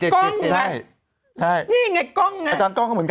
๗๗๗๗๗๗นี่ไงกล้องอาจารย์กล้องก็เหมือนกัน